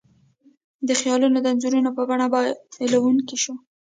دا خیالونه د انځورونو په بڼه بیانولی شو.